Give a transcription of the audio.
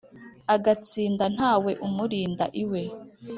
agatsinda ntawe umurinda iwe